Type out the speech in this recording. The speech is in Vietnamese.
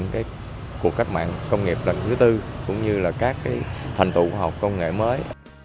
đào tạo các ứng dụng của các mạng công nghiệp lần thứ tư cũng như các thành tụ học công nghệ mới